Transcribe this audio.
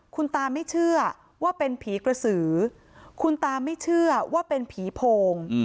คุณตาไม่เชื่อว่าเป็นผีกระสือคุณตาไม่เชื่อว่าเป็นผีโพง